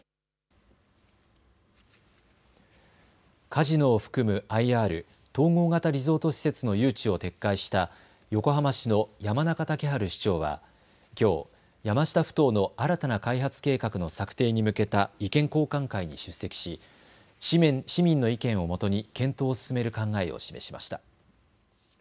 カジノを含むＩＲ・統合型リゾート施設の誘致を撤回した横浜市の山中竹春市長はきょう山下ふ頭の新たな開発計画の策定に向けた意見交換会に出席し市民の意見をもとに検討を進める考えを示しました。